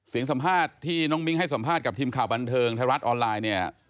สัมภาษณ์ที่น้องมิ้งให้สัมภาษณ์กับทีมข่าวบันเทิงไทยรัฐออนไลน์เนี่ย